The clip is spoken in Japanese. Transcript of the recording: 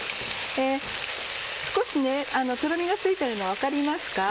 少しとろみがついてるの分かりますか？